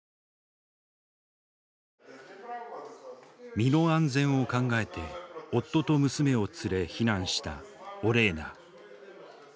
身の安全を考えて夫と娘を連れ避難したオレーナ。